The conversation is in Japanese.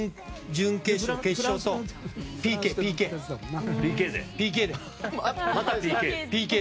準決勝、決勝とＰＫ、ＰＫでね。